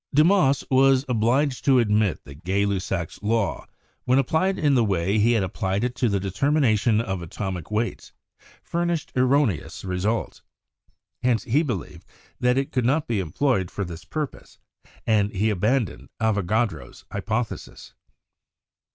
Dumas was obliged to admit that Gay Lussac's law, when applied in the way he had applied it to the determi nation of atomic weights, furnished erroneous results. Hence he believed that it could not be employed for this purpose, and he abandoned Avogadro's hypothesis.